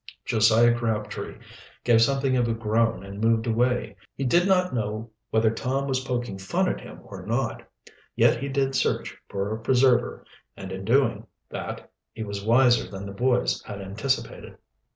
Josiah Crabtree gave something of a groan and moved away. He did not know whether Tom was poking fun at him or not. Yet he did search for a preserver and in doing that he was wiser than the boys had anticipated.